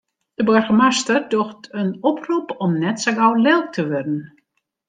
De boargemaster docht in oprop om net sa gau lilk te wurden.